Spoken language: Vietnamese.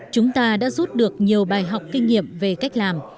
chúng ta đã rút được nhiều bài học kinh nghiệm về cách làm